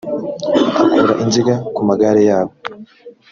akura inziga ku magare yabo